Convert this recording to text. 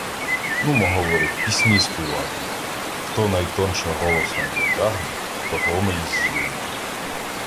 - Нумо, - говорить, - пісні співати. Хто найтонше голосом потягне, того ми й з'їмо.